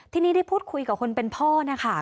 ทีนี้ได้พูดคุยกับคนเป็นพ่อนะคะ